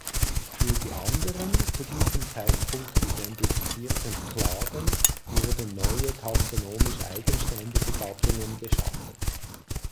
Für die anderen (zu diesem Zeitpunkt identifizierten) Kladen wurden neue taxonomisch eigenständige Gattungen geschaffen.